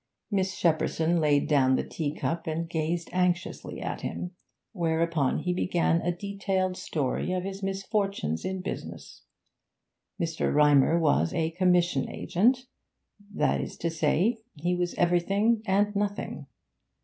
Miss Shepperson laid down the tea cup and gazed anxiously at him, whereupon he began a detailed story of his misfortunes in business. Mr. Rymer was a commission agent that is to say, he was everything and nothing.